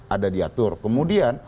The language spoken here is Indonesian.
ada diatur kemudian